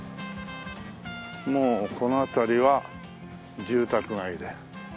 もうこの辺りは住宅街で。